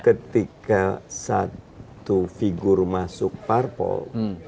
ketika satu figur masuk parpol